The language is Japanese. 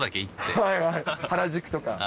原宿とか。